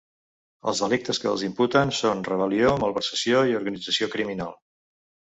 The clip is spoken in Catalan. Els delictes que els imputen són rebel·lió, malversació i organització criminal.